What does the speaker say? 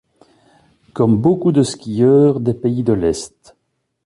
Comme beaucoup de skieurs des pays de l'est.